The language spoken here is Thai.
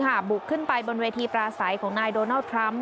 บุกขึ้นไปบนเวทีปราศัยของนายโดนัลด์ทรัมป